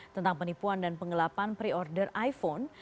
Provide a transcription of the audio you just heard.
tentang penipuan dan pengelapan pre order iphone